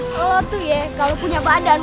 kalau punya badan